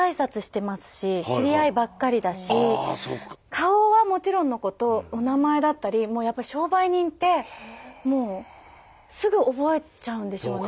顔はもちろんのことお名前だったりもうやっぱ商売人ってもうすぐ覚えちゃうんでしょうね。